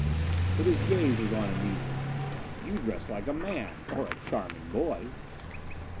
But his gaze was on Anita. "You dress like a man, or a charming boy."